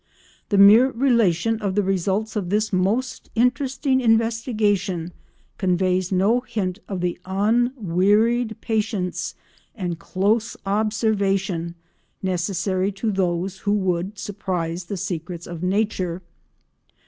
The mere relation of the results of this most interesting investigation conveys no hint of the unwearied patience and close observation necessary to those who would surprise the secrets of nature.